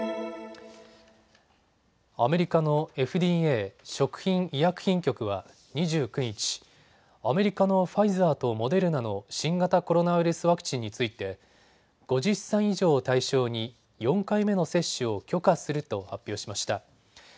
アメリカのＦＤＡ・食品医薬品局は２９日、アメリカのファイザーとモデルナの新型コロナウイルスワクチンについて５０歳以上を対象に４回目の接種を許可すると発表しました。